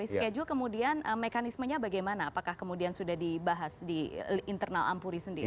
reschedule kemudian mekanismenya bagaimana apakah kemudian sudah dibahas di internal ampuri sendiri